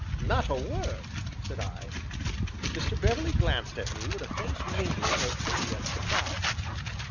"Not a word!" said I. Mr. Beverley glanced at me with a faint mingling of pity and surprise.